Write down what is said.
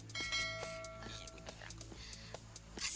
kasian ya fatimah